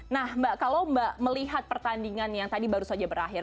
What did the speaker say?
nah mbak kalau mbak melihat pertandingan yang tadi baru saja berakhir